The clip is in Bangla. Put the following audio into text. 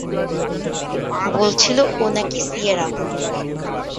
বলছিল ও নাকি সিয়েরা।